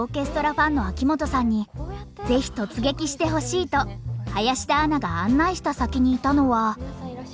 ファンの秋元さんに是非突撃してほしいと林田アナが案内した先にいたのは。